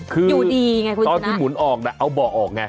คืออยู่ดีไงคุณตอนที่หมุนออกน่ะเอาเบาะออกไง